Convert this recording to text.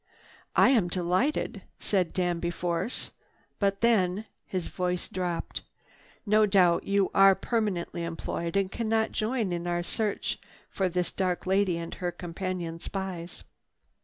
"I am delighted," said Danby Force. "But then—" his voice dropped, "no doubt you are permanently employed and cannot join us in our search for this dark lady and her companion spies."